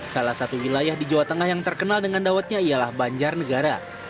salah satu wilayah di jawa tengah yang terkenal dengan dawetnya ialah banjarnegara